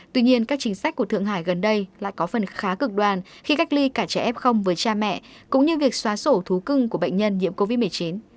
tuy nhiên các chính sách của thượng hải gần đây lại có phần khá cực đoan khi cách ly cả trẻ f với cha mẹ cũng như việc xóa sổ thú cưng của bệnh nhân nhiễm covid một mươi chín